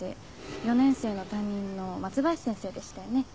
４年生の担任の松林先生でしたよね？